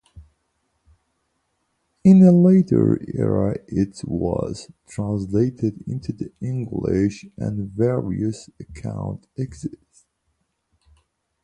In a later era it was translated into English and various accounts exist.